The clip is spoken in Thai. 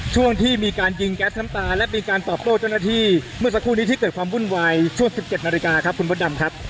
ช่วงที่มีการยิงแก๊สน้ำตาและมีการตอบโต้เจ้าหน้าที่เมื่อสักครู่นี้ที่เกิดความวุ่นวายช่วง๑๗นาฬิกาครับคุณมดดำครับ